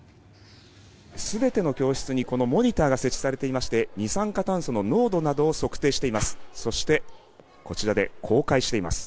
全ての教室に、このモニターが設置されていまして二酸化炭素の濃度などを測定しています。